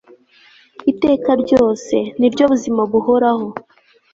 iteka ryose, niryo buzima buhoraho